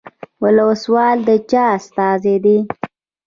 ولسوال د چا استازی دی؟